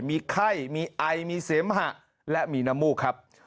มีไข้มีไอมีเสมหะและมีน้ำมูกครับ